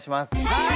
はい！